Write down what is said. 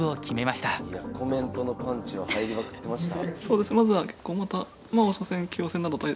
コメントのパンチは入りまくってました。